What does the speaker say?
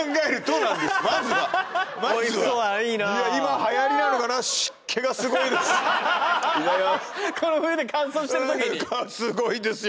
うんすごいですよ